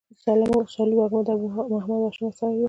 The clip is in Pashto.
سالو وږمه د ابو محمد هاشم اثر دﺉ.